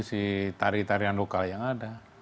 si tari tarian lokal yang ada